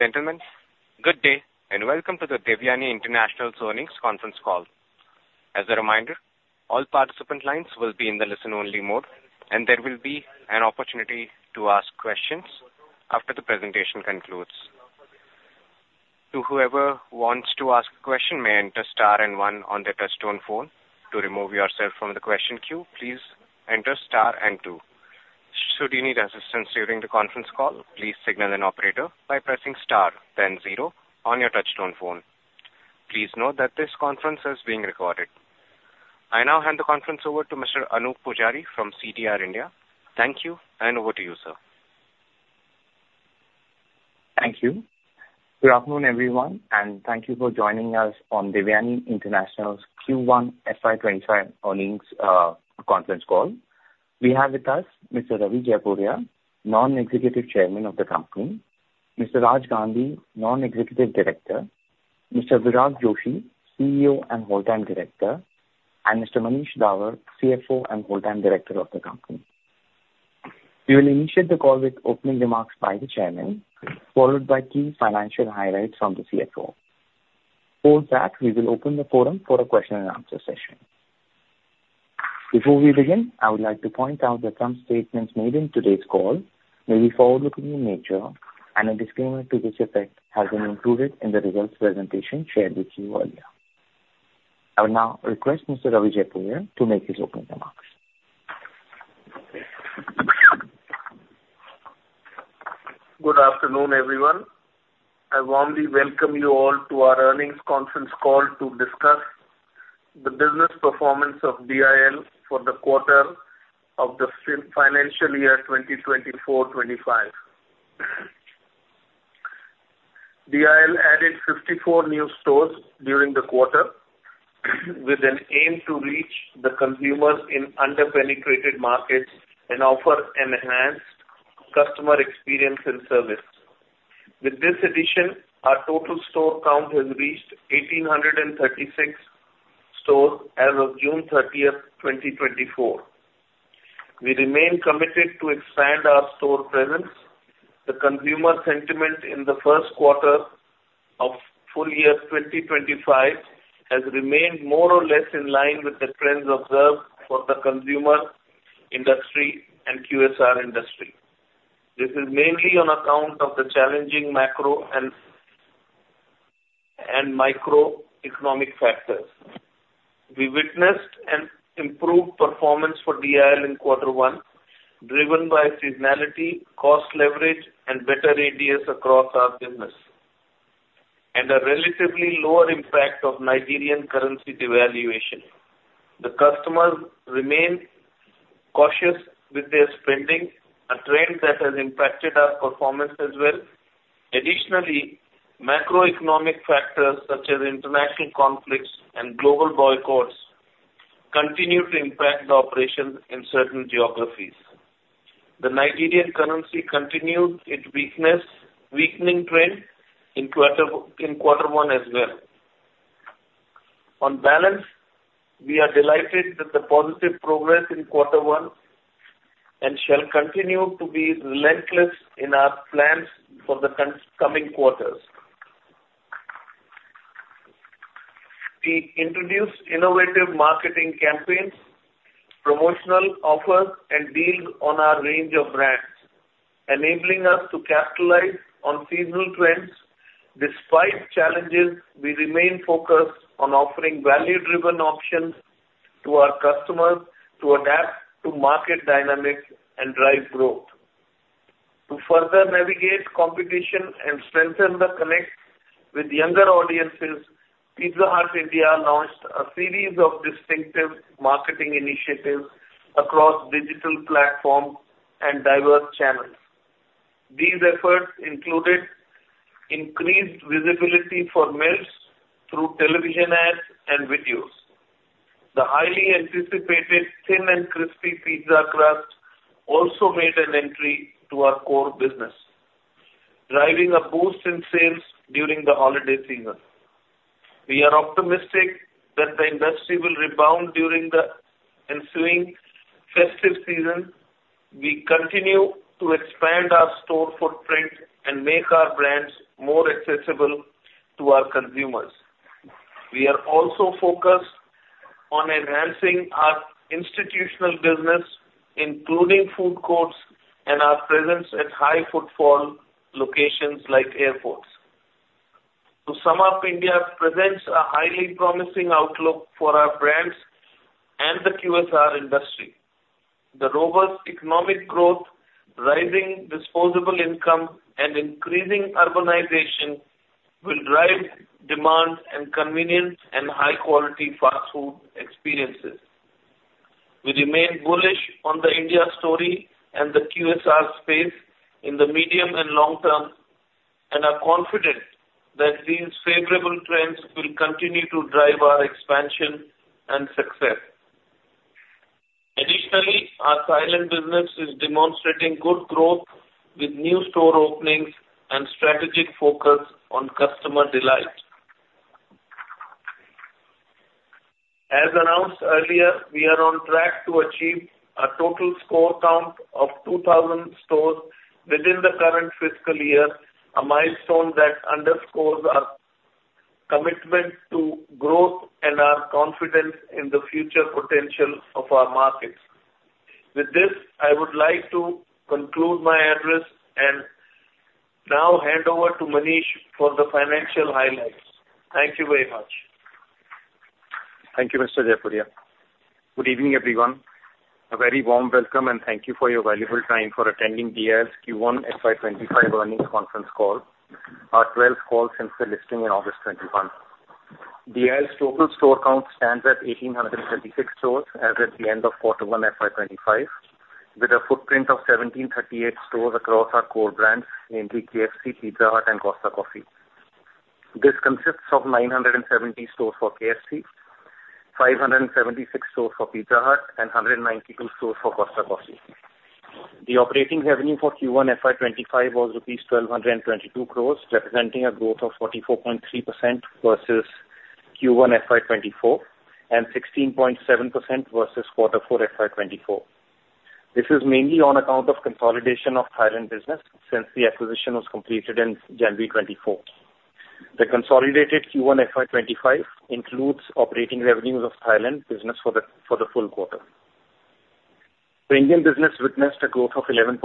...Gentlemen, good day, and welcome to the Devyani International's Earnings Conference Call. As a reminder, all participant lines will be in the listen-only mode, and there will be an opportunity to ask questions after the presentation concludes. So whoever wants to ask a question may enter star and one on their touchtone phone. To remove yourself from the question queue, please enter star and two. Should you need assistance during the conference call, please signal an operator by pressing star, then zero on their touchtone phone. Please note that this conference is being recorded. I now hand the conference over to Mr. Anoop Poojari from CDR India. Thank you, and over to you, sir. Thank you. Good afternoon, everyone, and thank you for joining us on Devyani International's Q1 FY25 Earnings Conference Call. We have with us Mr. Ravi Jaipuria, Non-Executive Chairman of the company, Mr. Raj Gandhi, Non-Executive Director, Mr. Virag Joshi, CEO and Whole Time Director, and Mr. Manish Dawar, CFO and Whole Time Director of the company. We will initiate the call with opening remarks by the chairman, followed by key financial highlights from the CFO. For that, we will open the forum for a question and answer session. Before we begin, I would like to point out that some statements made in today's call may be forward-looking in nature, and a disclaimer to this effect has been included in the results presentation shared with you earlier. I will now request Mr. Ravi Jaipuria to make his opening remarks. Good afternoon, everyone. I warmly welcome you all to our earnings conference call to discuss the business performance of DIL for the quarter of the financial year 2024-2025. DIL added 54 new stores during the quarter with an aim to reach the consumers in under-penetrated markets and offer enhanced customer experience and service. With this addition, our total store count has reached 1,836 stores as of June 30th, 2024. We remain committed to expand our store presence. The consumer sentiment in the first quarter of full year 2025 has remained more or less in line with the trends observed for the consumer, industry, and QSR industry. This is mainly on account of the challenging macro and microeconomic factors. We witnessed an improved performance for DIL in quarter one, driven by seasonality, cost leverage, and better ADS across our business, and a relatively lower impact of Nigerian currency devaluation. The customers remain cautious with their spending, a trend that has impacted our performance as well. Additionally, macroeconomic factors such as international conflicts and global boycotts continue to impact the operations in certain geographies. The Nigerian currency continued its weakness, weakening trend in quarter, in quarter one as well. On balance, we are delighted with the positive progress in quarter one and shall continue to be relentless in our plans for the coming quarters. We introduced innovative marketing campaigns, promotional offers, and deals on our range of brands, enabling us to capitalize on seasonal trends. Despite challenges, we remain focused on offering value-driven options to our customers to adapt to market dynamics and drive growth. To further navigate competition and strengthen the connect with younger audiences, Pizza Hut India launched a series of distinctive marketing initiatives across digital platforms and diverse channels. These efforts included increased visibility for meals through television ads and videos. The highly anticipated Thin 'N Crispy pizza crust also made an entry to our core business, driving a boost in sales during the holiday season. We are optimistic that the industry will rebound during the ensuing festive season. We continue to expand our store footprint and make our brands more accessible to our consumers. We are also focused on enhancing our institutional business, including food courts and our presence at high footfall locations like airports. To sum up, India presents a highly promising outlook for our brands and the QSR industry. The robust economic growth, rising disposable income, and increasing urbanization will drive demand and convenience and high quality fast food experiences. We remain bullish on the India story and the QSR space in the medium and long term, and are confident that these favorable trends will continue to drive our expansion and success. Additionally, our Thailand business is demonstrating good growth with new store openings and strategic focus on customer delight. As announced earlier, we are on track to achieve a total store count of 2,000 stores within the current fiscal year, a milestone that underscores our commitment to growth and our confidence in the future potential of our markets. With this, I would like to conclude my address and now hand over to Manish for the financial highlights. Thank you very much. Thank you, Mr. Jaipuria. Good evening, everyone. A very warm welcome, and thank you for your valuable time for attending DIL's Q1 FY 2025 earnings conference call, our 12th call since the listing in August 2021. DIL's total store count stands at 1,836 stores as at the end of quarter one FY 2025, with a footprint of 1,738 stores across our core brands, namely KFC, Pizza Hut and Costa Coffee. This consists of 970 stores for KFC, 576 stores for Pizza Hut and 192 stores for Costa Coffee. The operating revenue for Q1 FY 2025 was rupees 1,222 crores, representing a growth of 44.3% versus Q1 FY 2024, and 16.7% versus quarter four FY 2024. This is mainly on account of consolidation of Thailand business since the acquisition was completed in January 2024. The consolidated Q1 FY 2025 includes operating revenues of Thailand business for the full quarter. The Indian business witnessed a growth of 11.7%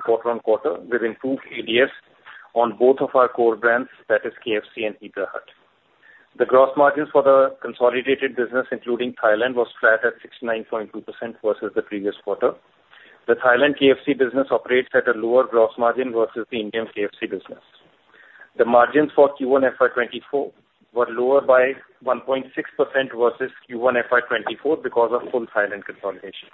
quarter-on-quarter, with improved ADS on both of our core brands, that is KFC and Pizza Hut. The gross margins for the consolidated business, including Thailand, was flat at 69.2% versus the previous quarter. The Thailand KFC business operates at a lower gross margin versus the Indian KFC business. The margins for Q1 FY 2024 were lower by 1.6% versus Q1 FY 2024 because of full consolidation.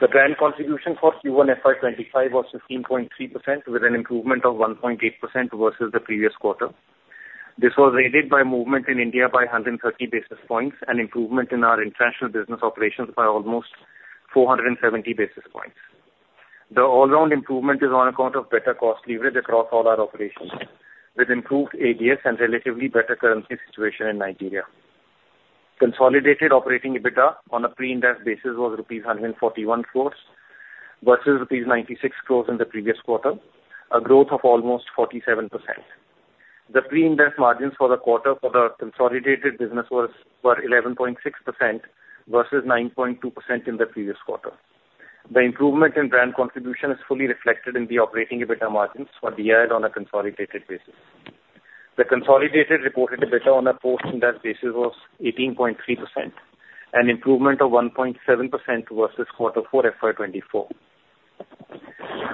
The brand contribution for Q1 FY 2025 was 15.3%, with an improvement of 1.8% versus the previous quarter. This was aided by movement in India by 130 basis points, an improvement in our international business operations by almost 470 basis points. The all-round improvement is on account of better cost leverage across all our operations, with improved ADS and relatively better currency situation in Nigeria. Consolidated operating EBITDA on a Pre-Ind AS basis was rupees 141 crores, versus rupees 96 crores in the previous quarter, a growth of almost 47%. The Pre-Ind AS margins for the quarter for the consolidated business was, were 11.6% versus 9.2% in the previous quarter. The improvement in brand contribution is fully reflected in the operating EBITDA margins for the year on a consolidated basis. The consolidated reported EBITDA on a post-interest basis was 18.3%, an improvement of 1.7% versus quarter four FY 2024.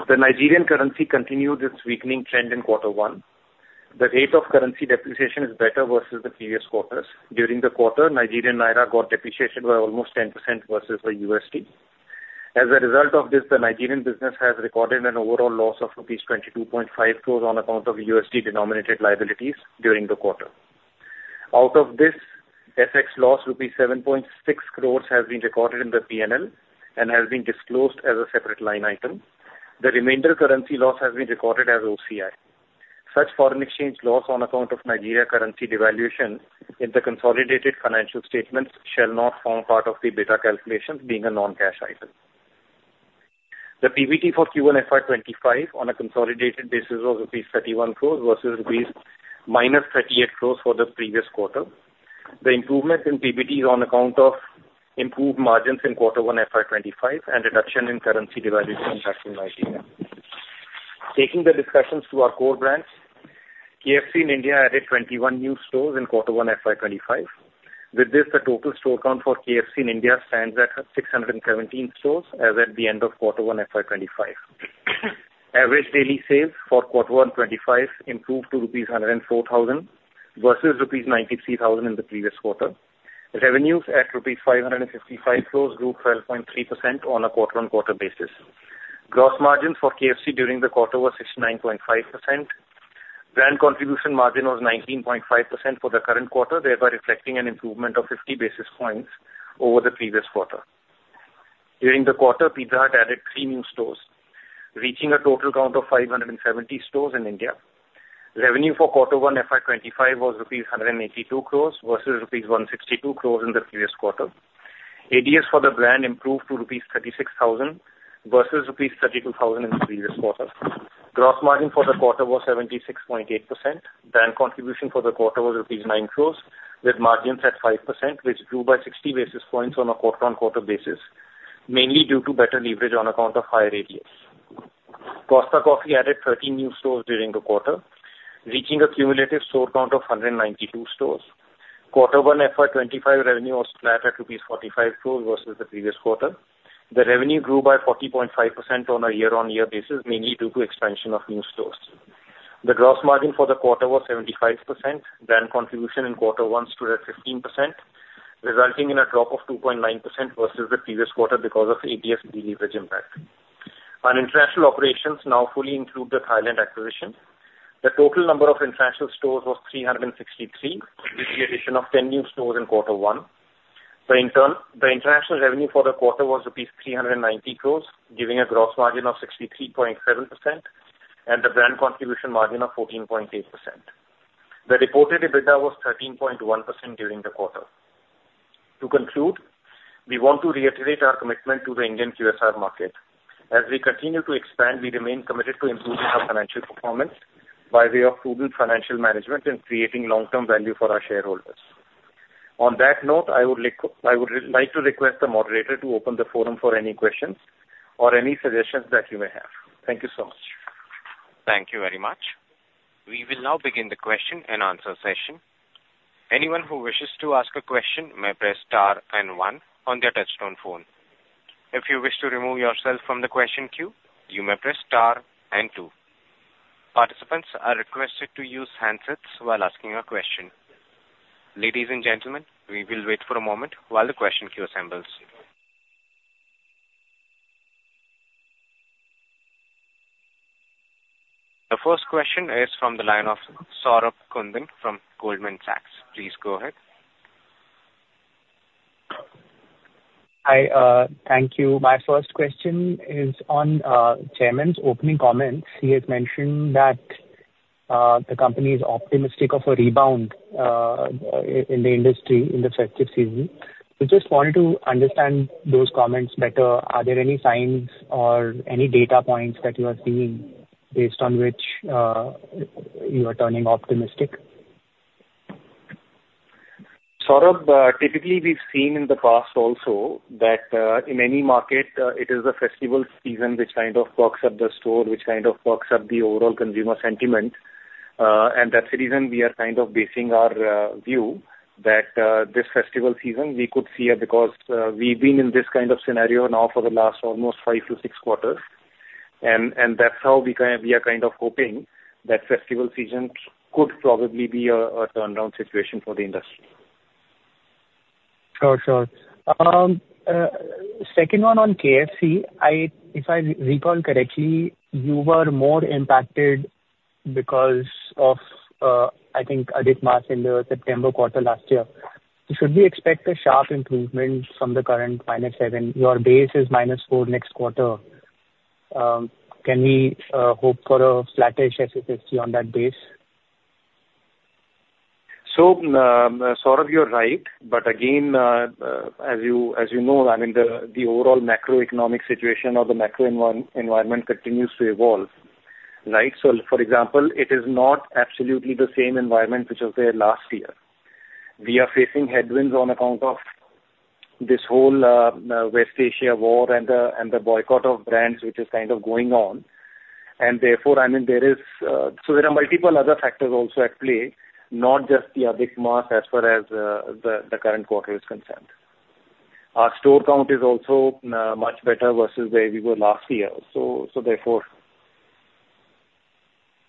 The Nigerian currency continued its weakening trend in quarter one. The rate of currency depreciation is better versus the previous quarters. During the quarter, Nigerian naira got depreciated by almost 10% versus the USD. As a result of this, the Nigerian business has recorded an overall loss of rupees 22.5 crore on account of USD-denominated liabilities during the quarter. Out of this, FX loss rupees 7.6 crore has been recorded in the P&L and has been disclosed as a separate line item. The remainder currency loss has been recorded as OCI. Such foreign exchange loss on account of Nigerian currency devaluation in the consolidated financial statements shall not form part of the EBITDA calculations, being a non-cash item. The PBT for Q1 FY 2025 on a consolidated basis was 31 crore rupees versus -38 crore rupees for the previous quarter. The improvement in PBT is on account of improved margins in quarter one FY 2025 and reduction in currency devaluation impact in Nigeria. Taking the discussions to our core brands, KFC in India added 21 new stores in quarter one FY 2025. With this, the total store count for KFC in India stands at 617 stores as at the end of quarter one FY 2025. Average daily sales for quarter one 2025 improved to rupees 104,000 versus rupees 93,000 in the previous quarter. Revenues at rupees 555 crores grew 12.3% on a quarter-on-quarter basis. Gross margin for KFC during the quarter was 69.5%. Brand contribution margin was 19.5% for the current quarter, thereby reflecting an improvement of 50 basis points over the previous quarter. During the quarter, Pizza Hut added three new stores, reaching a total count of 570 stores in India. Revenue for Q1 FY 2025 was rupees 182 crores versus rupees 162 crores in the previous quarter. ADS for the brand improved to rupees 36,000 versus rupees 32,000 in the previous quarter. Gross margin for the quarter was 76.8%. Brand contribution for the quarter was rupees 9 crores, with margins at 5%, which grew by 60 basis points on a quarter-on-quarter basis, mainly due to better leverage on account of higher ADS. Costa Coffee added 13 new stores during the quarter, reaching a cumulative store count of 192 stores. Q1 FY 2025 revenue was flat at INR 45 crores versus the previous quarter. The revenue grew by 40.5% on a year-on-year basis, mainly due to expansion of new stores. The gross margin for the quarter was 75%. Brand contribution in quarter one stood at 15%, resulting in a drop of 2.9% versus the previous quarter because of ADS deleverage impact. Our international operations now fully include the Thailand acquisition. The total number of international stores was 363, with the addition of 10 new stores in quarter one. The international revenue for the quarter was rupees 390 crore, giving a gross margin of 63.7% and the brand contribution margin of 14.8%. The reported EBITDA was 13.1% during the quarter. To conclude, we want to reiterate our commitment to the Indian QSR market. As we continue to expand, we remain committed to improving our financial performance by way of prudent financial management and creating long-term value for our shareholders. On that note, I would like to request the moderator to open the forum for any questions or any suggestions that you may have. Thank you so much. Thank you very much. We will now begin the question and answer session. Anyone who wishes to ask a question may press star and one on their touch-tone phone. If you wish to remove yourself from the question queue, you may press star and two. Participants are requested to use handsets while asking a question. Ladies and gentlemen, we will wait for a moment while the question queue assembles. The first question is from the line of Saurabh Kundan from Goldman Sachs. Please go ahead. Hi, thank you. My first question is on chairman's opening comments. He has mentioned that the company is optimistic of a rebound in the industry in the festive season. We just wanted to understand those comments better. Are there any signs or any data points that you are seeing based on which you are turning optimistic? Saurabh, typically, we've seen in the past also that, in any market, it is the festival season which kind of perks up the store, which kind of perks up the overall consumer sentiment. And that's the reason we are kind of basing our, view, that, this festival season we could see it, because, we've been in this kind of scenario now for the last almost five to six quarters. And that's how we are kind of hoping that festival season could probably be a turnaround situation for the industry. Sure, sure. Second one on KFC. If I recall correctly, you were more impacted because of, I think, Adhik Maas in the September quarter last year. Should we expect a sharp improvement from the current -7%? Your base is -4% next quarter. Can we hope for a flattish KFC on that base? So, Saurabh, you're right. But again, as you know, I mean, the overall macroeconomic situation or the macro environment continues to evolve, right? So, for example, it is not absolutely the same environment which was there last year. We are facing headwinds on account of this whole West Asia war and the boycott of brands, which is kind of going on. And therefore, I mean, there is... So there are multiple other factors also at play, not just the Adhik Maas, as far as the current quarter is concerned. Our store count is also much better versus where we were last year, so therefore.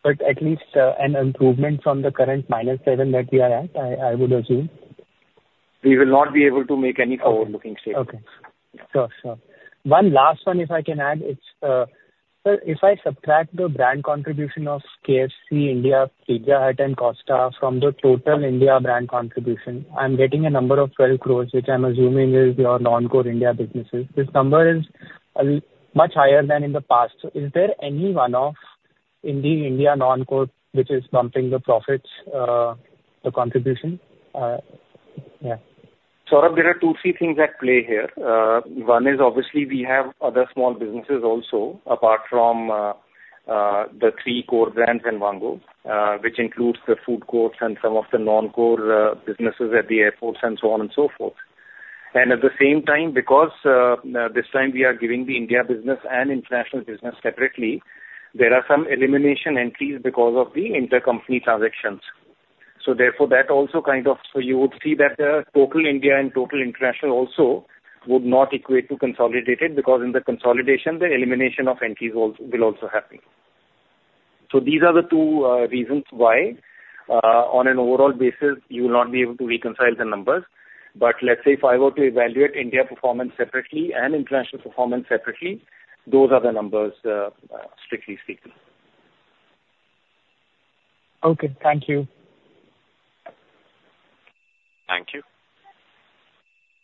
But at least, an improvement from the current -7% that we are at, I, I would assume. We will not be able to make any forward-looking statement. Okay. Okay. Sure, sure. One last one, if I can add, it's so if I subtract the brand contribution of KFC India, Pizza Hut, and Costa from the total India brand contribution, I'm getting a number of 12 crore, which I'm assuming is your non-core India businesses. This number is much higher than in the past. Is there any one-off in the India non-core which is bumping the profits, the contribution? Yeah. Saurabh, there are two, three things at play here. One is obviously we have other small businesses also, apart from the three core brands in Vaango, which includes the food courts and some of the non-core businesses at the airports and so on and so forth. And at the same time, because this time we are giving the India business and international business separately, there are some elimination entries because of the intercompany transactions. So therefore, that also kind of... So you would see that the total India and total international also would not equate to consolidated, because in the consolidation, the elimination of entries will also happen. So these are the two reasons why, on an overall basis, you will not be able to reconcile the numbers. Let's say if I were to evaluate India performance separately and international performance separately, those are the numbers, strictly speaking. Okay, thank you. Thank you.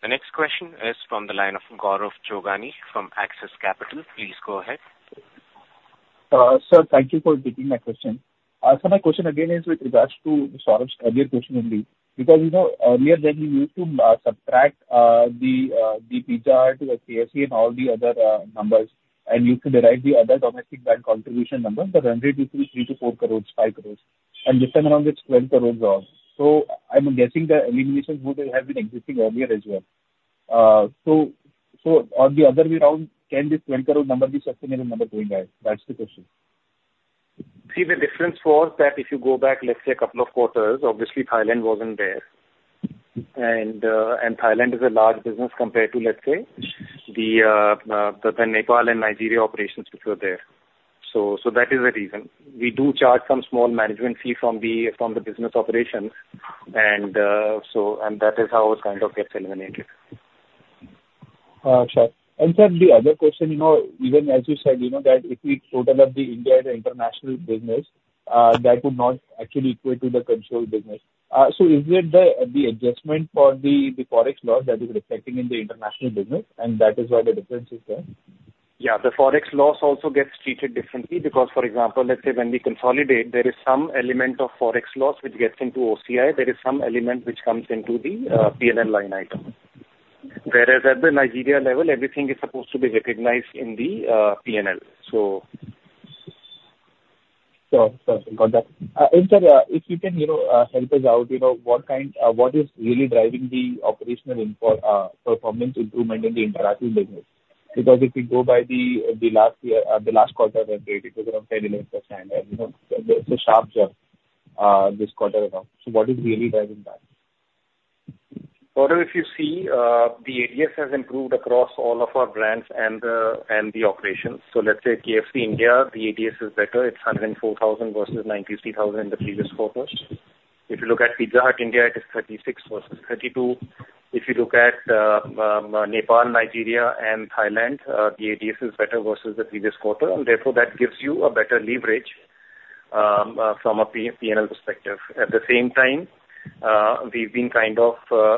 The next question is from the line of Gaurav Jogani from Axis Capital. Please go ahead. Sir, thank you for taking my question. So my question again is with regards to Saurabh's earlier question only. Because, you know, earlier when you used to subtract the the Pizza Hut or KFC and all the other numbers, and you could derive the other domestic brand contribution number, the range between 3-4 crore, 5 crore, and this time around it's 12 crore. So I'm guessing the elimination would have been existing earlier as well. So, on the other way around, can this 12 crore number be sustainable number going ahead? That's the question. See, the difference was that if you go back, let's say, a couple of quarters, obviously Thailand wasn't there. And, and Thailand is a large business compared to, let's say, the, the Nepal and Nigeria operations which were there. So, so that is the reason. We do charge some small management fee from the, from the business operations, and, so, and that is how it kind of gets eliminated.... Sure. And sir, the other question, you know, even as you said, you know, that if we total up the India and the international business, that would not actually equate to the consolidated business. So is it the adjustment for the Forex loss that is reflecting in the international business, and that is why the difference is there? Yeah, the Forex loss also gets treated differently because, for example, let's say when we consolidate, there is some element of Forex loss which gets into OCI. There is some element which comes into the P&L line item. Whereas at the Nigeria level, everything is supposed to be recognized in the P&L, so. Sure, sure. Got that. And sir, if you can, you know, help us out, you know, what kind, what is really driving the operational performance improvement in the international business? Because if we go by the last year, the last quarter that it was around 10%-11%, and, you know, it's a sharp jump, this quarter around. So what is really driving that? Well, if you see, the ADS has improved across all of our brands and the operations. So let's say KFC India, the ADS is better. It's 104,000 versus 93,000 in the previous quarters. If you look at Pizza Hut India, it is 36 versus 32. If you look at Nepal, Nigeria and Thailand, the ADS is better versus the previous quarter, and therefore, that gives you a better leverage from a P&L perspective. At the same time, we've been kind of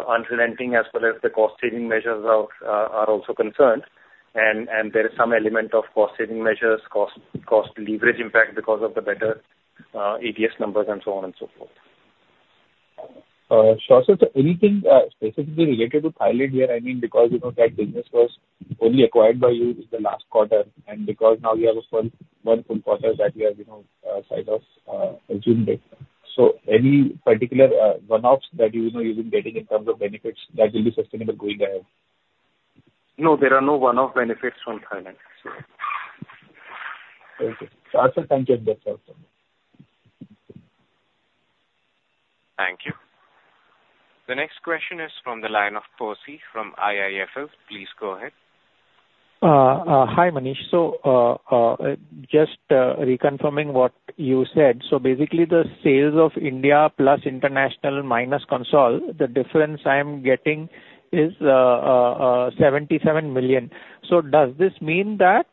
unrelenting as well as the cost saving measures are also concerned. And there is some element of cost saving measures, cost leverage, in fact, because of the better ADS numbers and so on and so forth. So, so anything specifically related to Thailand here, I mean, because, you know, that business was only acquired by you in the last quarter, and because now we have a full one full quarter that we have, you know, sight of, assumed it. So any particular one-offs that you know you've been getting in terms of benefits that will be sustainable going ahead? No, there are no one-off benefits from Thailand, so. Thank you. So also thank you as well, sir. Thank you. The next question is from the line of Percy from IIFL. Please go ahead. Hi, Manish. So, just reconfirming what you said. So basically, the sales of India plus international minus consolidated, the difference I am getting is 77 million. So does this mean that,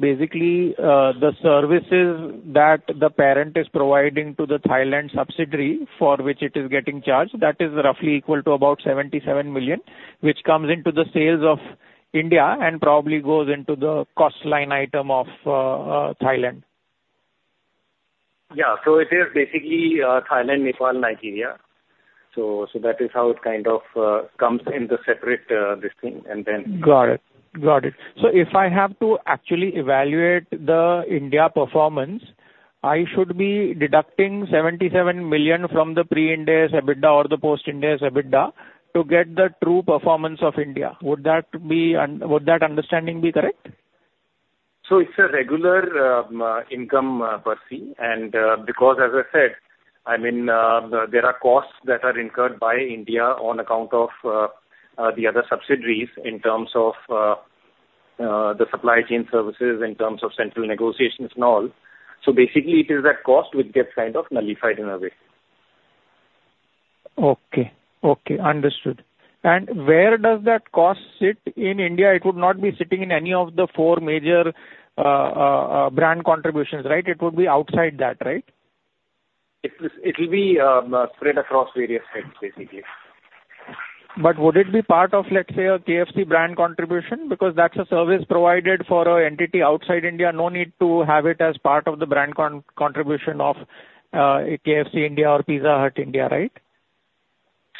basically, the services that the parent is providing to the Thailand subsidiary, for which it is getting charged, that is roughly equal to about 77 million, which comes into the sales of India and probably goes into the cost line item of Thailand? Yeah. So it is basically, Thailand, Nepal, Nigeria. So, so that is how it kind of, comes in the separate, this thing, and then- Got it. Got it. So if I have to actually evaluate the India performance, I should be deducting 77 million from the Pre-Ind AS EBITDA or the Post-Ind AS EBITDA to get the true performance of India. Would that understanding be correct? So it's a regular income, Percy, and because as I said, I mean, there are costs that are incurred by India on account of the other subsidiaries in terms of the supply chain services, in terms of central negotiations and all. So basically, it is that cost which gets kind of nullified in a way. Okay. Okay, understood. Where does that cost sit in India? It would not be sitting in any of the four major brand contributions, right? It would be outside that, right? It is, it'll be, spread across various heads, basically. But would it be part of, let's say, a KFC brand contribution? Because that's a service provided for an entity outside India. No need to have it as part of the brand contribution of KFC India or Pizza Hut India, right?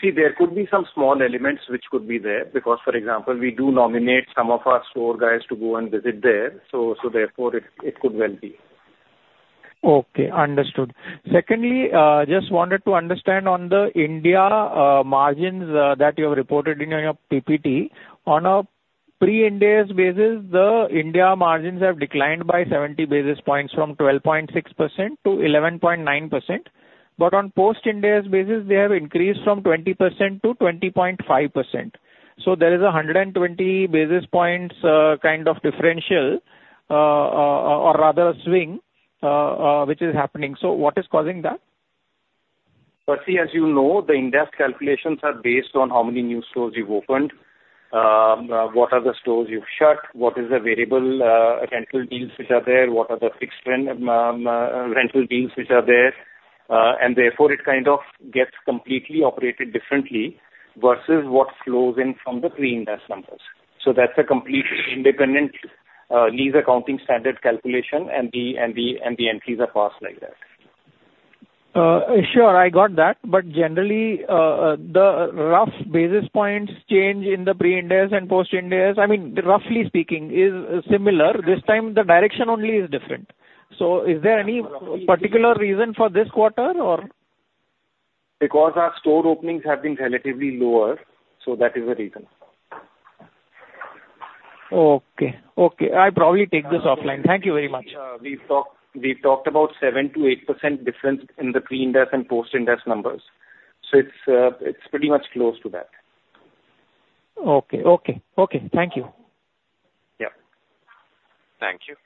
See, there could be some small elements which could be there, because, for example, we do nominate some of our store guys to go and visit there. So therefore, it could well be. Okay, understood. Secondly, just wanted to understand on the India margins that you have reported in your PPT. On a Pre-Ind AS basis, the India margins have declined by 70 basis points from 12.6% to 11.9%. But on Post-Ind AS basis, they have increased from 20% to 20.5%. So there is a 120 basis points kind of differential or rather swing which is happening. So what is causing that? Percy, as you know, the Ind AS calculations are based on how many new stores you've opened, what are the stores you've shut, what is the variable rental deals which are there, what are the fixed rent rental deals which are there? And therefore, it kind of gets completely operated differently versus what flows in from the Pre-Ind AS numbers. So that's a complete independent lease accounting standard calculation, and the entries are passed like that. Sure, I got that. But generally, the rough basis points change in the Pre-Ind AS and Post-Ind AS, I mean, roughly speaking, is similar. This time the direction only is different. So is there any particular reason for this quarter or? Because our store openings have been relatively lower, so that is the reason. Okay. Okay, I probably take this offline. Thank you very much. We've talked, we've talked about 7%-8% difference in the Pre-Ind AS and Post-Ind AS numbers, so it's, it's pretty much close to that. Okay. Okay. Okay, thank you. Yeah. Thank you.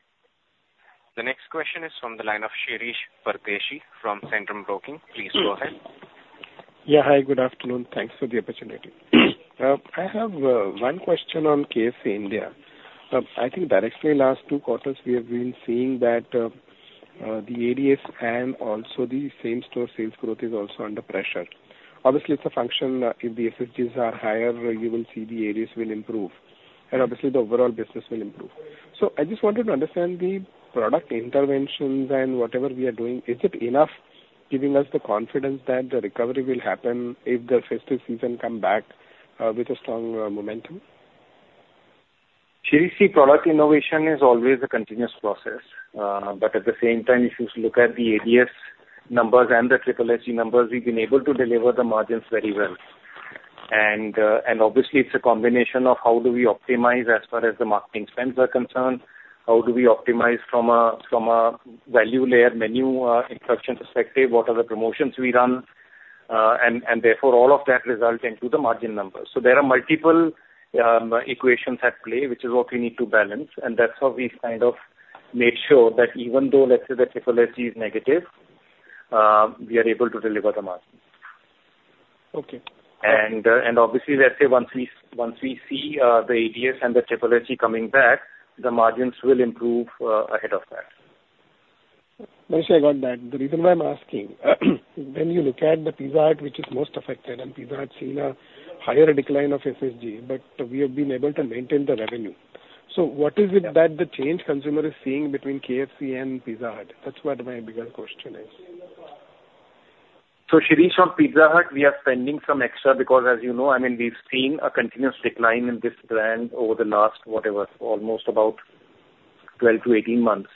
The next question is from the line of Shirish Pardeshi from Centrum Broking. Please go ahead. Yeah. Hi, good afternoon. Thanks for the opportunity. I have one question on KFC India. I think directly last two quarters, we have been seeing that the ADS and also the same-store sales growth is also under pressure. Obviously, it's a function if the SSGs are higher, you will see the ADS will improve, and obviously the overall business will improve. So I just wanted to understand the product interventions and whatever we are doing, is it enough giving us the confidence that the recovery will happen if the festive season come back with a strong momentum? Shirish, product innovation is always a continuous process. But at the same time, if you look at the ADS numbers and the SSS numbers, we've been able to deliver the margins very well. And, and obviously it's a combination of how do we optimize as far as the marketing spends are concerned, how do we optimize from a, from a value layer menu, introduction perspective, what are the promotions we run, and, and therefore, all of that result into the margin numbers. So there are multiple, equations at play, which is what we need to balance, and that's how we've kind of made sure that even though, let's say, the SSS is negative, we are able to deliver the margin. Okay. Obviously, let's say once we see the ADS and the SSS coming back, the margins will improve ahead of that. Manish, I got that. The reason why I'm asking, when you look at the Pizza Hut, which is most affected, and Pizza Hut seen a higher decline of SSG, but we have been able to maintain the revenue. So what is it that the changing consumer is seeing between KFC and Pizza Hut? That's what my bigger question is. So Shirish, from Pizza Hut, we are spending some extra because, as you know, I mean, we've seen a continuous decline in this brand over the last, whatever, almost about 12-18 months.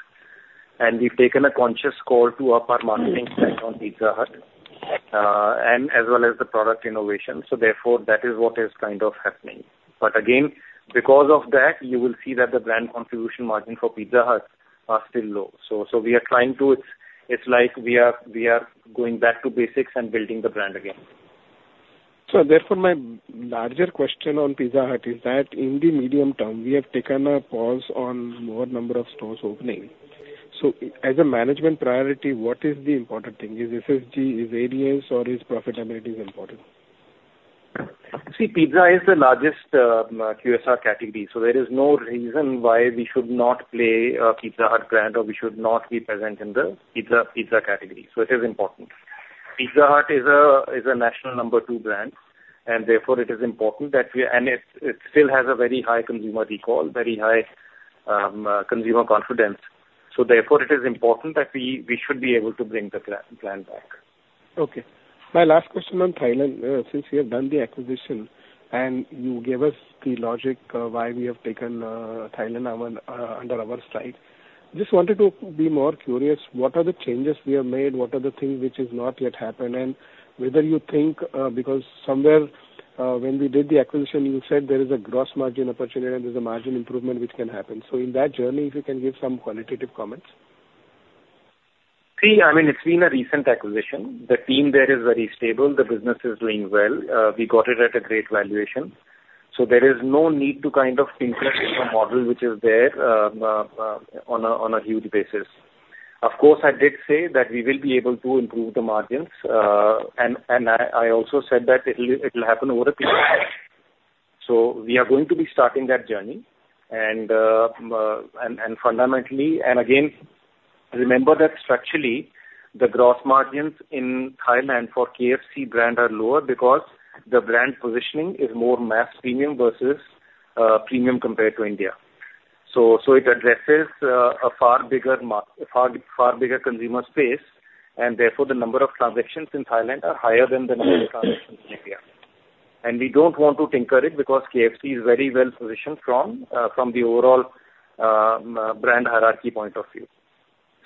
And we've taken a conscious call to up our marketing spend on Pizza Hut, and as well as the product innovation. So therefore, that is what is kind of happening. But again, because of that, you will see that the brand contribution margin for Pizza Hut are still low. So, so we are trying to... It's like we are, we are going back to basics and building the brand again. So therefore, my larger question on Pizza Hut is that in the medium term, we have taken a pause on more number of stores opening. So as a management priority, what is the important thing? Is SSG, is ADS, or is profitability is important? See, pizza is the largest QSR category, so there is no reason why we should not play a Pizza Hut brand or we should not be present in the pizza, pizza category, so it is important. Pizza Hut is a national number two brand, and therefore it is important that we... And it still has a very high consumer recall, very high consumer confidence. So therefore, it is important that we should be able to bring the brand back. Okay. My last question on Thailand. Since you have done the acquisition, and you gave us the logic, why we have taken Thailand our under our stride. Just wanted to be more curious, what are the changes we have made? What are the things which has not yet happened? And whether you think, because somewhere, when we did the acquisition, you said there is a gross margin opportunity and there's a margin improvement which can happen. So in that journey, if you can give some qualitative comments. See, I mean, it's been a recent acquisition. The team there is very stable. The business is doing well. We got it at a great valuation. So there is no need to kind of tinker with the model which is there on a huge basis. Of course, I did say that we will be able to improve the margins. And I also said that it'll happen over a period. So we are going to be starting that journey. And fundamentally. And again, remember that structurally, the gross margins in Thailand for KFC brand are lower because the brand positioning is more mass premium versus premium compared to India. It addresses a far, far bigger consumer space, and therefore, the number of transactions in Thailand are higher than the number of transactions in India. We don't want to tinker it because KFC is very well positioned from the overall brand hierarchy point of view.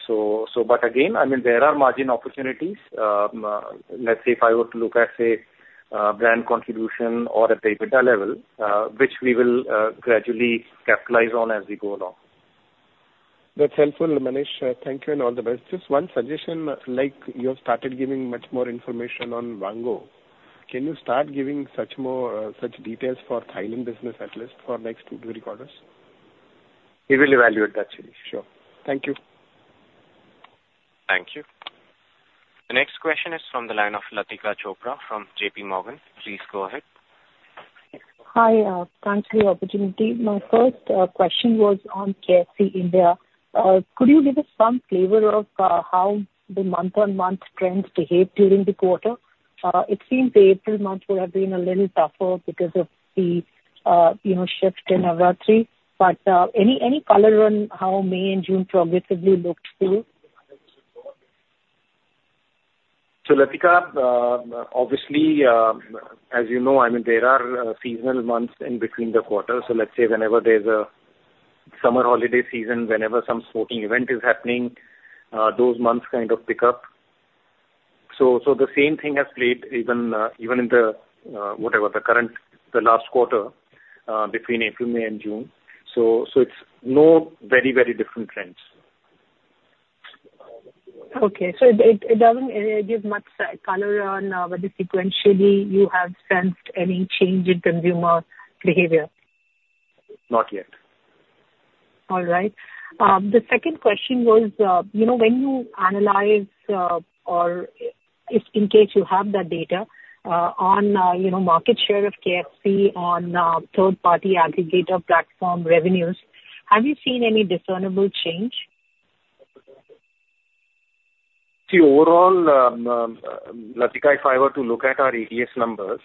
But again, I mean, there are margin opportunities. Let's say if I were to look at, say, brand contribution or at the EBITDA level, which we will gradually capitalize on as we go along. That's helpful, Manish. Thank you, and all the best. Just one suggestion, like, you have started giving much more information on Vaango. Can you start giving such more, such details for Thailand business at least for next two, three quarters? We will evaluate that, Shirish. Sure. Thank you. Thank you. The next question is from the line of Latika Chopra from J.P. Morgan. Please go ahead. Hi, thanks for the opportunity. My first question was on KFC India. Could you give us some flavor of how the month-on-month trends behaved during the quarter? It seems the April month would have been a little tougher because of the, you know, shift in Navratri, but any color on how May and June progressively looked too? So Latika, obviously, as you know, I mean, there are seasonal months in between the quarters. So let's say whenever there's a summer holiday season, whenever some sporting event is happening, those months kind of pick up. So the same thing has played even in the current last quarter between April, May and June. So it's not very, very different trends. ... Okay, so it doesn't give much color on whether sequentially you have sensed any change in consumer behavior? Not yet. All right. The second question was, you know, when you analyze, or if in case you have the data, on, you know, market share of KFC on, third-party aggregator platform revenues, have you seen any discernible change? See, overall, Latika, if I were to look at our ADS numbers,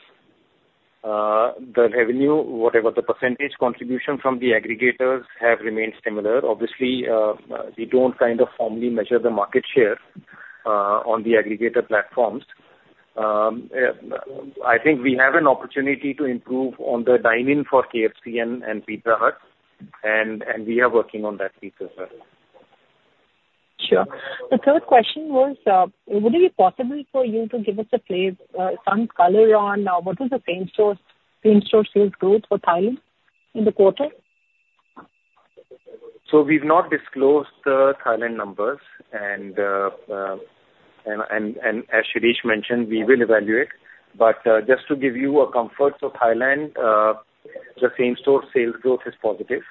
the revenue, whatever the percentage contribution from the aggregators have remained similar. Obviously, we don't kind of formally measure the market share, on the aggregator platforms. I think we have an opportunity to improve on the dine-in for KFC and, and Pizza Hut, and, and we are working on that piece as well. Sure. The third question was, would it be possible for you to give us a flavor, some color on what is the same-store sales growth for Thailand in the quarter? So we've not disclosed the Thailand numbers, and as Shirish mentioned, we will evaluate. But just to give you a comfort, so Thailand, the same-store sales growth is positive.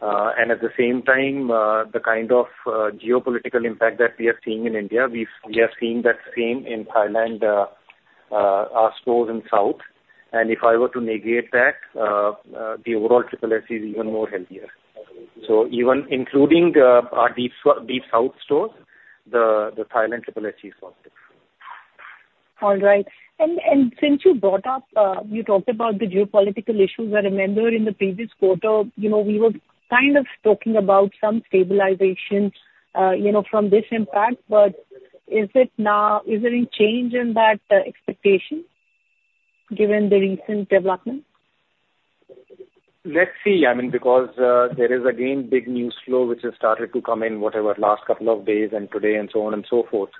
And at the same time, the kind of geopolitical impact that we are seeing in India, we are seeing that same in Thailand, our stores in South. And if I were to negate that, the overall SSS is even more healthier. So even including these South stores, the Thailand SSS is positive. All right. And since you brought up, you talked about the geopolitical issues, I remember in the previous quarter, you know, we were kind of talking about some stabilizations, you know, from this impact. But is it now, is there any change in that expectation given the recent development? Let's see. I mean, because there is again big news flow, which has started to come in, whatever last couple of days and today and so on and so forth.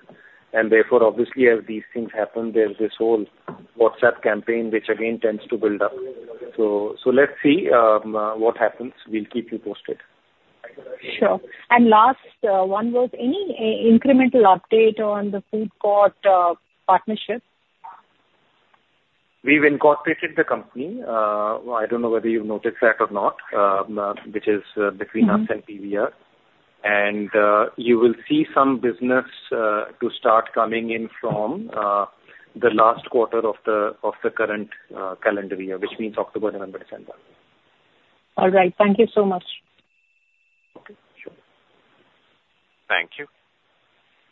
And therefore, obviously, as these things happen, there's this whole WhatsApp campaign, which again tends to build up. So, so let's see, what happens. We'll keep you posted. Sure. And last, one was any, incremental update on the food court, partnership? We've incorporated the company. I don't know whether you've noticed that or not, which is, between us- Mm-hmm... and PVR. You will see some business to start coming in from the last quarter of the current calendar year, which means October, November, December. All right. Thank you so much. Okay, sure. Thank you.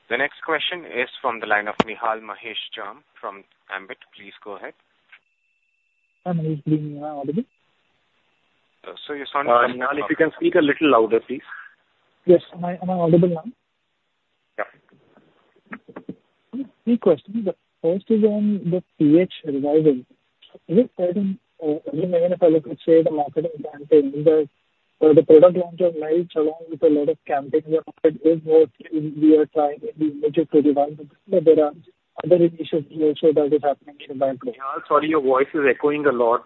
The next question is from the line of Nihal Mahesh Jham from Ambit. Please go ahead. Hi, am I audible? Sir, your sound is- Nihal, if you can speak a little louder, please. Yes. Am I, am I audible now? Yeah. Three questions. The first is on the PH revival. A few months ago, you said a marketing campaign, but the product launch of Melts along with a lot of campaigns were marketed in-store. We are trying in the image to revive it. There are other initiatives also that is happening in the background. Nihal, sorry, your voice is echoing a lot,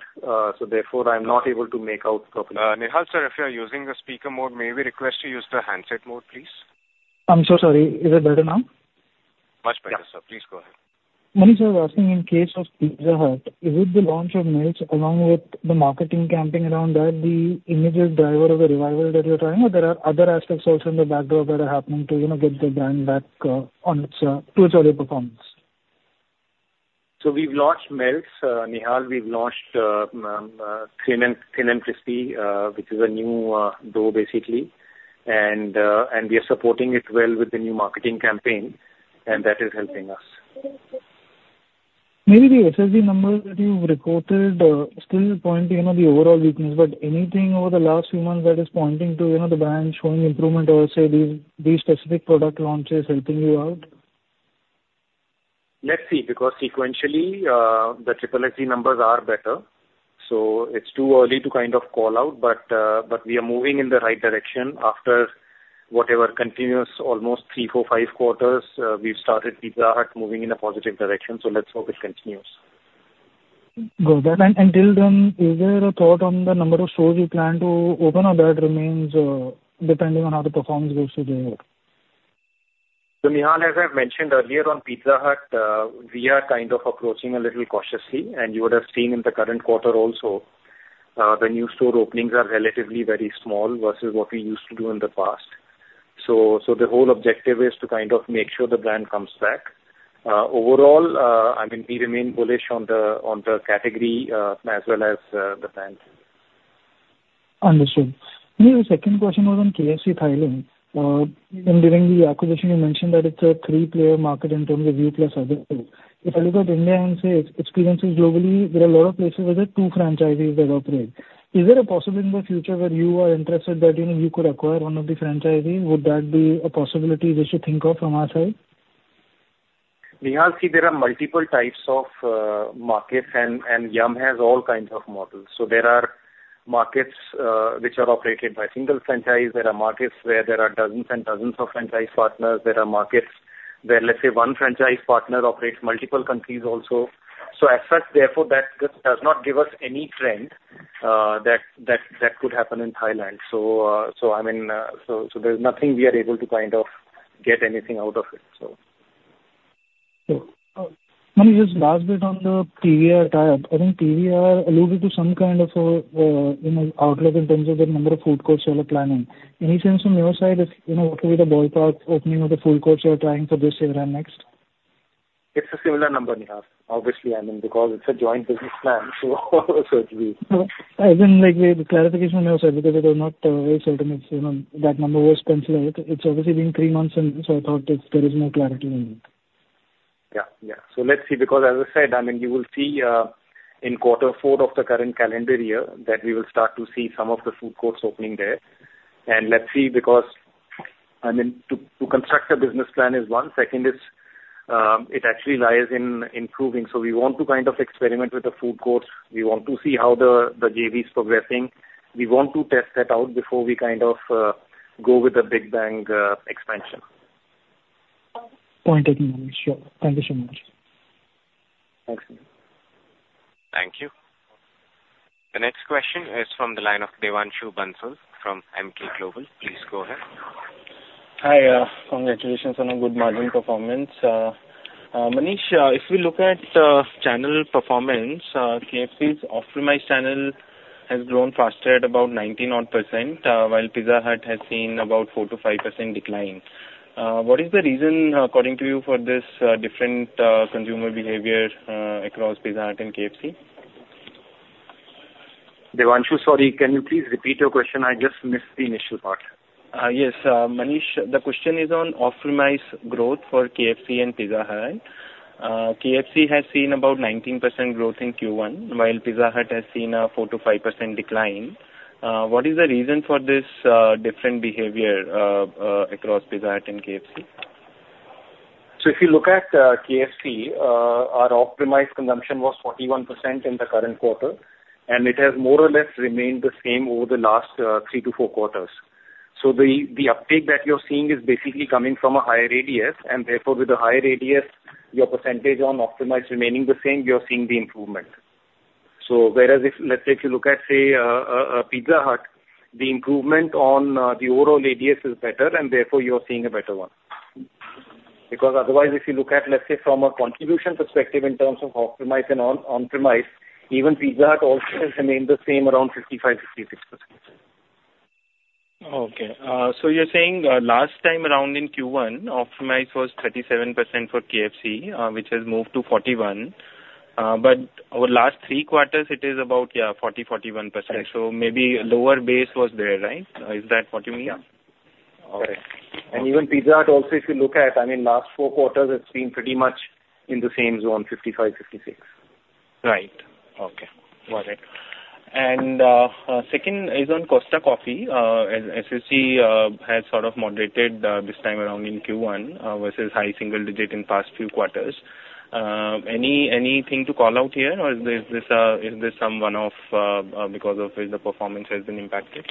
so therefore I'm not able to make out properly. Nihal, sir, if you are using the speaker mode, may we request you use the handset mode, please? I'm so sorry. Is it better now? Much better, sir. Please go ahead. Manish, I was asking in case of Pizza Hut, is it the launch of Melts, along with the marketing campaign around that, the immediate driver of the revival that you're trying, or there are other aspects also in the background that are happening to, you know, get the brand back, on its, to its early performance? We've launched Melts, Nihal. We've launched Thin 'N Crispy, which is a new dough, basically. We are supporting it well with the new marketing campaign, and that is helping us. Maybe the SSS numbers that you've reported still point to, you know, the overall weakness, but anything over the last few months that is pointing to, you know, the brand showing improvement or say these, these specific product launch is helping you out? Let's see, because sequentially, the SSS numbers are better, so it's too early to kind of call out. But, but we are moving in the right direction after whatever, continuous, almost three, four, five quarters, we've started Pizza Hut moving in a positive direction, so let's hope it continues. Good. And till then, is there a thought on the number of stores you plan to open, or that remains depending on how the performance goes so there? So, Nihal, as I've mentioned earlier on Pizza Hut, we are kind of approaching a little cautiously, and you would have seen in the current quarter also, the new store openings are relatively very small versus what we used to do in the past. So, so the whole objective is to kind of make sure the brand comes back. Overall, I mean, we remain bullish on the, on the category, as well as, the brand. Understood. Maybe the second question was on KFC, Thailand. And during the acquisition, you mentioned that it's a three-player market in terms of you plus other two. If I look at India and say experiences globally, there are a lot of places where there are two franchises that operate. Is there a possibility in the future where you are interested that, you know, you could acquire one of the franchises? Would that be a possibility that you think of from our side? Nihal, see, there are multiple types of markets, and Yum! has all kinds of models. So there are markets which are operated by single franchise. There are markets where there are dozens and dozens of franchise partners. There are markets where, let's say, one franchise partner operates multiple countries also. So as such, therefore, that just does not give us any trend that could happen in Thailand. So, so I mean, so, there's nothing we are able to kind of get anything out of it, so. So, Manish, just last bit on the PVR tie-up. I think PVR alluded to some kind of, you know, outlook in terms of the number of food courts you all are planning. Any sense from your side if, you know, what will be the ballpark opening of the food courts you are planning for this year and next? It's a similar number, Nihal. Obviously, I mean, because it's a joint business plan, so it will be. I mean, like, the clarification on your side, because it was not very certain. It's, you know, that number was considered. It's obviously been three months since, so I thought it's, there is more clarity on it. Yeah, yeah. So let's see, because as I said, I mean, you will see in quarter four of the current calendar year that we will start to see some of the food courts opening there. And let's see, because, I mean, to construct a business plan is one; second is, it actually lies in improving. So we want to kind of experiment with the food courts. We want to see how the JV is progressing. We want to test that out before we kind of go with the big bang expansion. Point taken, Manish. Sure. Thank you so much. Thanks. Thank you. The next question is from the line of Devanshu Bansal from Emkay Global. Please go ahead. Hi, congratulations on a good margin performance. Manish, if we look at, channel performance, KFC's off-premise channel has grown faster at about 19% odd, while Pizza Hut has seen about 4%-5% decline. What is the reason, according to you, for this, different, consumer behavior, across Pizza Hut and KFC? Devanshu, sorry, can you please repeat your question? I just missed the initial part. Yes. Manish, the question is on off-premise growth for KFC and Pizza Hut. KFC has seen about 19% growth in Q1, while Pizza Hut has seen a 4%-5% decline. What is the reason for this different behavior across Pizza Hut and KFC? So if you look at KFC, our off-premise consumption was 41% in the current quarter, and it has more or less remained the same over the last three to four quarters. So the uptake that you're seeing is basically coming from a higher ADS, and therefore, with a higher ADS, your percentage on off-premise remaining the same, you're seeing the improvement. So whereas if, let's say, if you look at, say, Pizza Hut, the improvement on the overall ADS is better, and therefore you're seeing a better one. Because otherwise, if you look at, let's say, from a contribution perspective in terms of off-premise and on-premise, even Pizza Hut also has remained the same, around 55%-56%. Okay. So you're saying, last time around in Q1, off-premise was 37% for KFC, which has moved to 41%, but over last three quarters, it is about, yeah, 40%, 41%. Right. Maybe lower base was there, right? Is that what you mean? Correct. Even Pizza Hut also, if you look at, I mean, last four quarters, it's been pretty much in the same zone, 55%-56%. Right. Okay. Got it. And, second is on Costa Coffee. As you see, has sort of moderated this time around in Q1 versus high single digit in past few quarters. Anything to call out here, or is this some one-off because of which the performance has been impacted?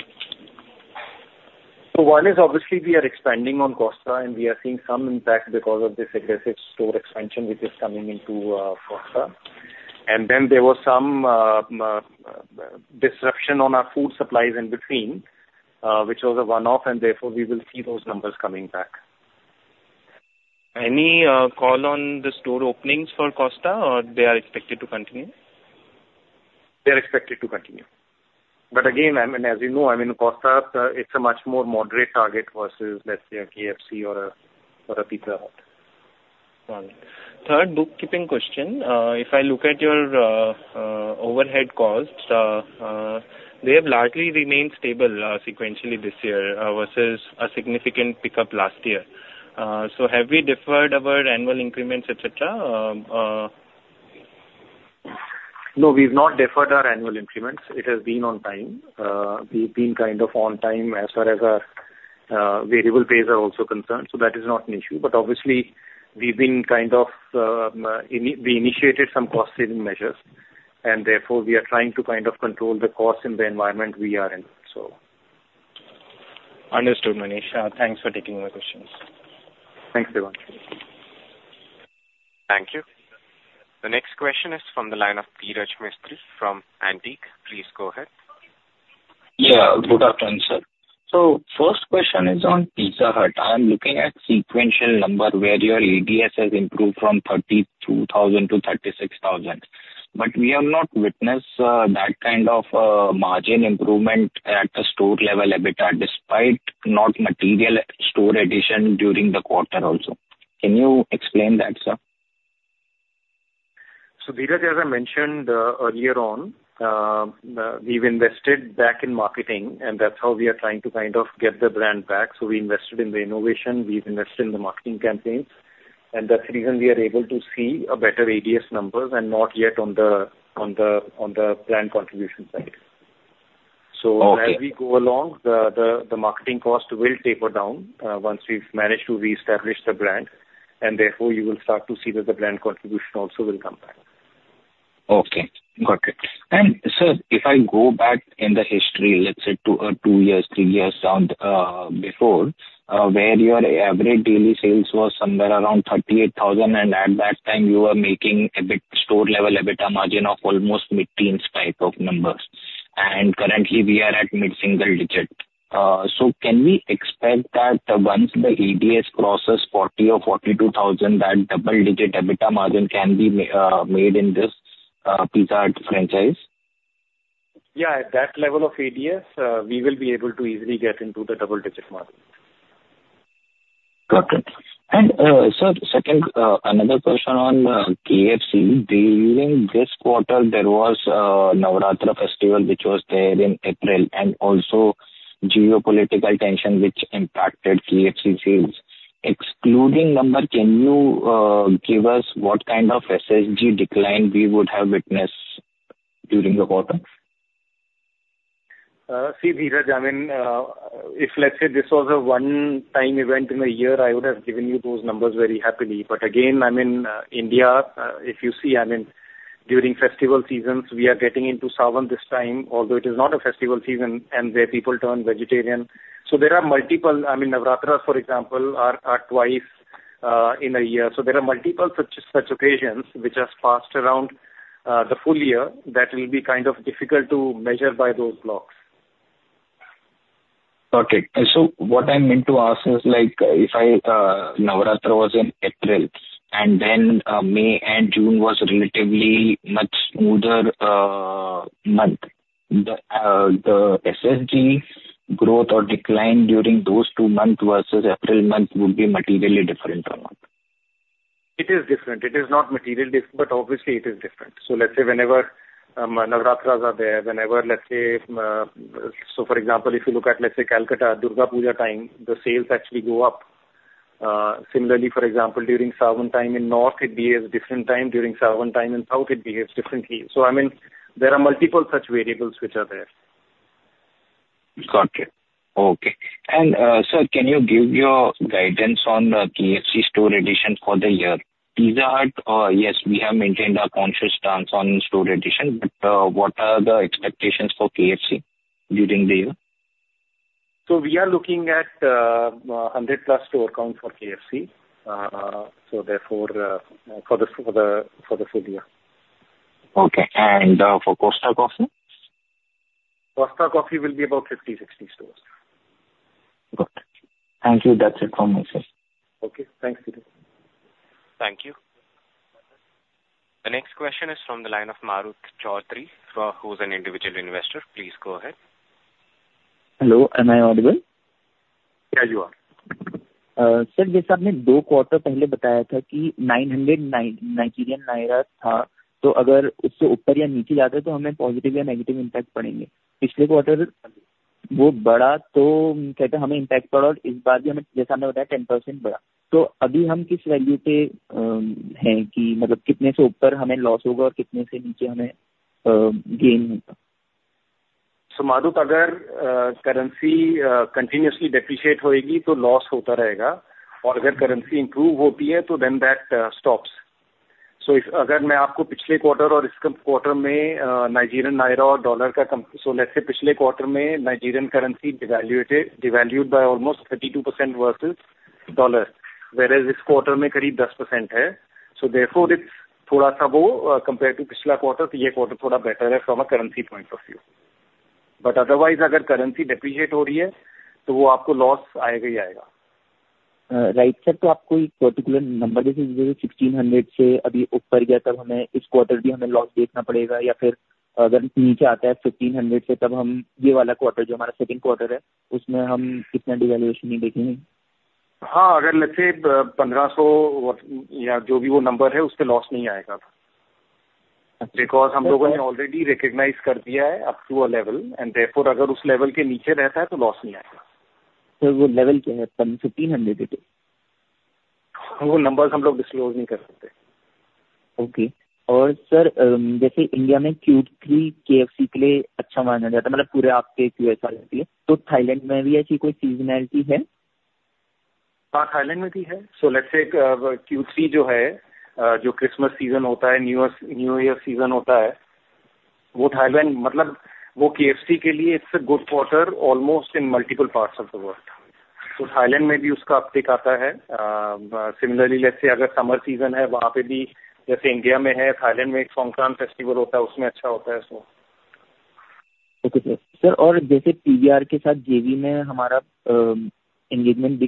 So one is obviously we are expanding on Costa, and we are seeing some impact because of this aggressive store expansion which is coming into Costa. And then there was some disruption on our food supplies in between, which was a one-off, and therefore we will see those numbers coming back. Any call on the store openings for Costa, or they are expected to continue? They are expected to continue. But again, I mean, as you know, I mean, Costa, it's a much more moderate target versus, let's say, a KFC or a Pizza Hut. Got it. Third, bookkeeping question. If I look at your overhead costs, they have largely remained stable sequentially this year versus a significant pickup last year. So have we deferred our annual increments, et cetera? No, we've not deferred our annual increments. It has been on time. We've been kind of on time as far as our variable pays are also concerned, so that is not an issue. But obviously, we've been kind of we initiated some cost-saving measures, and therefore we are trying to kind of control the costs in the environment we are in, so. Understood, Manish. Thanks for taking my questions. Thanks, Devanshu. Thank you. The next question is from the line of Dhiraj Mistry from Antique. Please go ahead. Yeah, good afternoon, sir. First question is on Pizza Hut. I'm looking at sequential number, where your ADS has improved from 32,000 to 36,000. We have not witnessed that kind of margin improvement at the store level EBITDA, despite not material store addition during the quarter also. Can you explain that, sir? So, Dhiraj, as I mentioned earlier on, we've invested back in marketing, and that's how we are trying to kind of get the brand back. So we invested in the innovation, we've invested in the marketing campaigns, and that's the reason we are able to see a better ADS numbers and not yet on the brand contribution side. Okay. So as we go along, the marketing cost will taper down, once we've managed to reestablish the brand, and therefore you will start to see that the brand contribution also will come back. ...Okay, got it. Sir, if I go back in the history, let's say, two, two years, three years down, before, where your average daily sales was somewhere around 38,000, and at that time you were making a bit store level, a bit a margin of almost mid-teens type of numbers. And currently we are at mid-single digit. So can we expect that once the ADS crosses 40,000 or 42,000, that double digit EBITDA margin can be made in this Pizza Hut franchise? Yeah, at that level of ADS, we will be able to easily get into the double-digit margin. Got it. And, sir, second, another question on, KFC. During this quarter, there was a Navratri festival which was there in April, and also geopolitical tension which impacted KFC sales. Excluding number, can you, give us what kind of SSG decline we would have witnessed during the quarter? See, Dhiraj, I mean, if let's say this was a one time event in a year, I would have given you those numbers very happily. But again, I mean, India, if you see, I mean, during festival seasons, we are getting into Sawan this time, although it is not a festival season and where people turn vegetarian. So there are multiple, I mean Navratri, for example, are twice in a year. So there are multiple such occasions which are passed around the full year that will be kind of difficult to measure by those blocks. Okay. So what I meant to ask is like, if Navratri was in April, and then, May and June was relatively much smoother month, the SSG growth or decline during those two months versus April month would be materially different or not? It is different. It is not materially, but obviously it is different. So let's say whenever, Navratri are there, whenever, let's say, so for example, if you look at, let's say, Kolkata, Durga Puja time, the sales actually go up. Similarly, for example, during Sawan time in North, it behaves different time, during Sawan time in South, it behaves differently. So I mean, there are multiple such variables which are there. Got it. Okay. And, sir, can you give your guidance on the KFC store addition for the year? Pizza Hut, yes, we have maintained a conscious stance on store addition, but, what are the expectations for KFC during the year? So we are looking at a 100 plus store count for KFC. So therefore, for the full year. Okay. And for Costa Coffee? Costa Coffee will be about 50-60 stores. Got it. Thank you. That's it from my side. Okay. Thanks, Dhiraj. Thank you. The next question is from the line of Marut Chaudhary, who is an individual investor. Please go ahead. Hello, am I audible? Yes, you are. Sir, like you said two quarters ago that 900 naira was there. So if it goes above or below that, then we will have a positive or negative impact. Last quarter, it increased, so we had an impact, and this time too, as you said, it increased by 10%. So now at what value are we, I mean, above how much we will have a loss and below how much we will have gain? So, Marut, if the currency continuously depreciate, then the loss will continue. And if the currency improves, so then that stops. So if I give you the last quarter and this quarter, Nigerian naira or dollar... So let's say, last quarter, Nigerian currency devaluated, devalued by almost 32% versus dollar, whereas this quarter it is about 10%. So therefore, it's a little bit compared to the previous quarter, this quarter is a little better from a currency point of view. But otherwise, if the currency is depreciating, then you will definitely incur a loss. Right, sir, so you have a particular number, like 1,600. If it goes above that, then we will have to see a loss in this quarter as well, or if it comes below 1,500, then in this quarter, which is our second quarter, we will not see much devaluation in it. Yes, if let's say, 1,500 or whatever that number is, there will be no loss from it. Okay. Because we have already recognized up to a level, and therefore, if it remains below that level, then there will be no loss. Sir, what is that level? 1,500? Those numbers we are not disclosing. Okay. And sir, like in India, Q3 is considered good for KFC, meaning for your entire FY. So is there any such seasonality in Thailand as well? Yes, there is in Thailand as well. So let's say, Q3, which is the Christmas season, New Year, New Year season, that Thailand means for KFC, it's a good quarter almost in multiple parts of the world. So in Thailand too, it has an uptick. Similarly, let's say, if it's the summer season there too, like in India, in Thailand, there is a Songkran Festival, it is good in that as well, so. Okay, sir. Sir, and like with PVR, we can see our engagement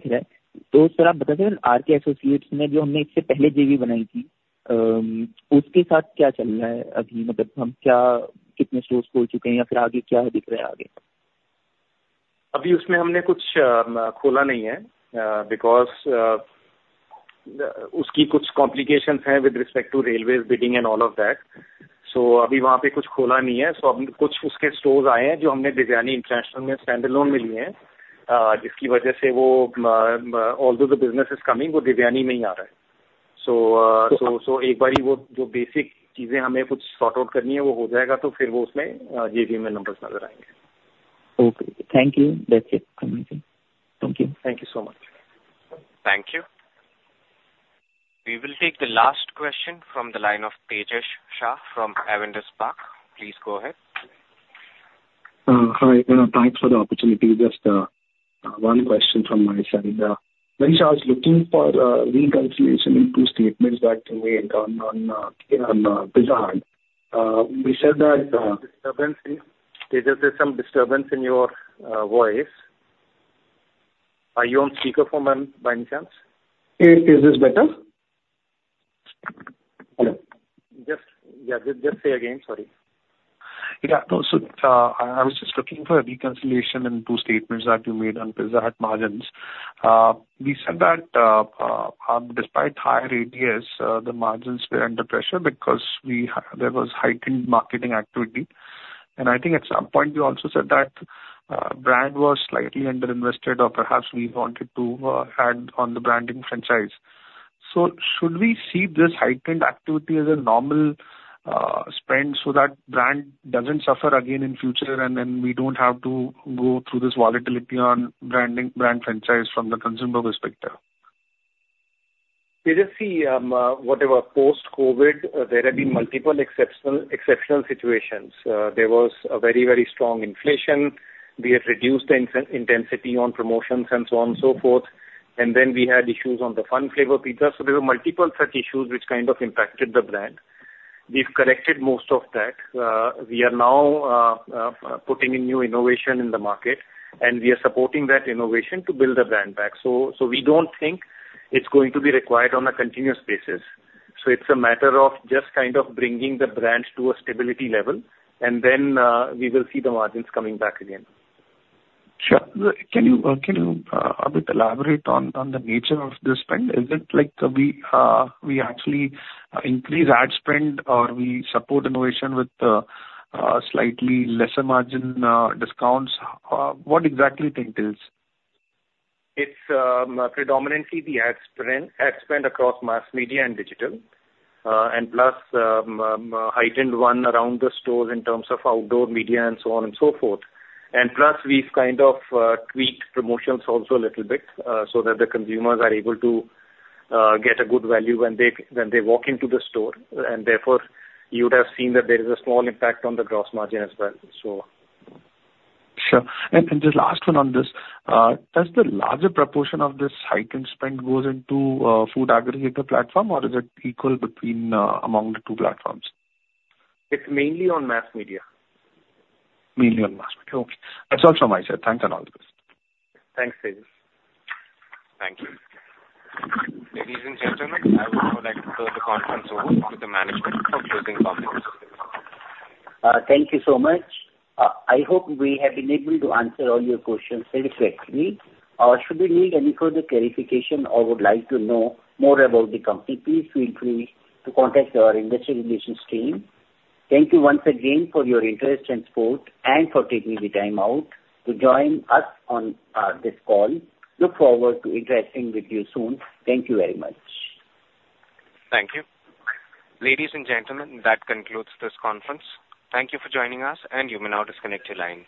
in JV. Sir, can you tell me, in R.K. Associates, the JV we had made before this, what is going on with it now? I mean, what, how many stores have we opened or what is visible ahead? So far, we have not opened anything in it, because it has some complications with respect to Railways, bidding, and all of that. So far, nothing has opened there, so some of its stores have come, which we have taken in Devyani International as standalone. Because of which, although the business is coming, it is coming in Devyani only. So, so once those basic things we have to sort out, once that is done, then we will see the JV numbers in it. Okay. Thank you. That's it from my side. Thank you. Thank you so much.... Thank you. We will take the last question from the line of Tejas Shah from Avendus Spark. Please go ahead. Hi, and thanks for the opportunity. Just one question from my side. When I was looking for reconciliation in two statements that you made on Pizza Hut. We said that- Disturbance. Tejas, there's some disturbance in your voice. Are you on speakerphone, by any chance? Is, is this better? Hello. Yeah, just say again, sorry. Yeah. So, I was just looking for a reconciliation in two statements that you made on Pizza Hut margins. We said that despite higher ADS, the margins were under pressure because there was heightened marketing activity. And I think at some point you also said that brand was slightly underinvested, or perhaps we wanted to add on the branding franchise. So should we see this heightened activity as a normal spend, so that brand doesn't suffer again in future, and then we don't have to go through this volatility on branding, brand franchise from the consumer perspective? We just see, whatever post-COVID, there have been multiple exceptional, exceptional situations. There was a very, very strong inflation. We have reduced the intensity on promotions and so on and so forth. And then we had issues on the Fun Flavor Pizza. So there were multiple such issues which kind of impacted the brand. We've corrected most of that. We are now putting in new innovation in the market, and we are supporting that innovation to build the brand back. So we don't think it's going to be required on a continuous basis. So it's a matter of just kind of bringing the brand to a stability level, and then we will see the margins coming back again. Sure. Can you, can you, a bit elaborate on, on the nature of this spend? Is it like we, we actually increase ad spend, or we support innovation with, slightly lesser margin, discounts? What exactly think it is? It's predominantly the ad spend, ad spend across mass media and digital. And plus, heightened one around the stores in terms of outdoor media and so on and so forth. And plus, we've kind of tweaked promotions also a little bit, so that the consumers are able to get a good value when they walk into the store. And therefore, you would have seen that there is a small impact on the gross margin as well, so. Sure. And just last one on this. Does the larger proportion of this heightened spend goes into food aggregator platform, or is it equal between among the two platforms? It's mainly on mass media. Mainly on mass media. Okay. That's all from my side. Thanks, and all the best. Thanks, Tejas. Thank you. Ladies and gentlemen, I would now like to turn the conference over to the management for closing comments. Thank you so much. I hope we have been able to answer all your questions satisfactorily. Should you need any further clarification or would like to know more about the company, please feel free to contact our investor relations team. Thank you once again for your interest and support, and for taking the time out to join us on this call. Look forward to interacting with you soon. Thank you very much. Thank you. Ladies and gentlemen, that concludes this conference. Thank you for joining us, and you may now disconnect your lines.